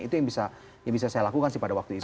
itu yang bisa saya lakukan sih pada waktu itu